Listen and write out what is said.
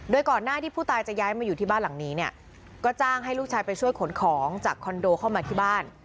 โดยก่อนหน้าที่ผู้ตายจะย้ายมาอยู่ที่บ้านหลังนี้เนี่ยก็จ้างให้ลูกชายไปช่วยขนของจากคอนโดเข้ามาที่บ้าน